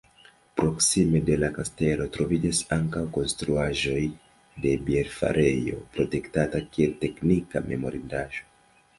Proksime de la kastelo troviĝas ankaŭ konstruaĵoj de bierfarejo, protektata kiel teknika memorindaĵo.